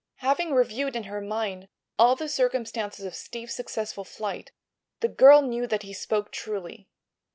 Having reviewed in her mind all the circumstances of Steve's successful flight the girl knew that he spoke truly.